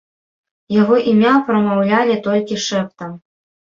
Яго імя прамаўлялі толькі шэптам.